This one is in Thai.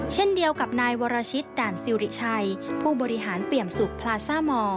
เช่นเดียวกับนายวรชิตด่านซิริชัยผู้บริหารเปี่ยมสุขพลาซ่ามอร์